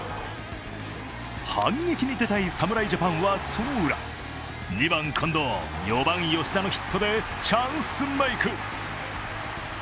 反撃に出たい侍ジャパンはそのウラ、２番・近藤、４番・吉田のヒットでチャンスメイク。